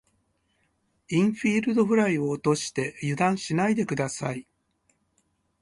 インフィールドフライを落として油断しないで下さい。